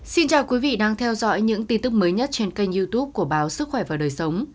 xin chào quý vị đang theo dõi những tin tức mới nhất trên kênh youtube của báo sức khỏe và đời sống